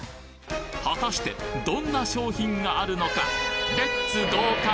果たしてどんな商品があるのか？